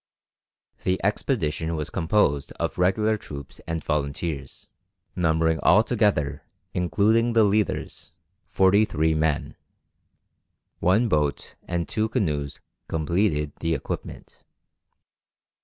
The expedition was composed of regular troops and volunteers, numbering altogether, including the leaders, forty three men; one boat and two canoes completed the equipment.